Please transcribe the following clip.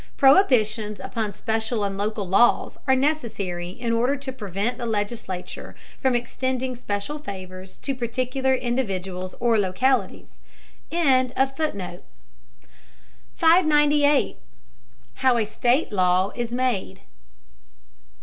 Prohibitions upon special and local laws are necessary in order to prevent the legislature from extending special favors to particular individuals or localities. ] 598. HOW A STATE LAW IS MADE.